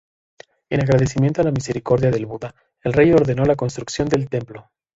En agradecimiento a la misericordia del Buda, el rey ordenó la construcción del templo.